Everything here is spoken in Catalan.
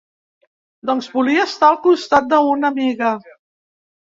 Doncs volia estar al costat de una amiga.